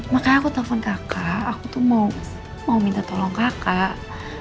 makanya aku telpon kakak aku tuh mau minta tolong kakak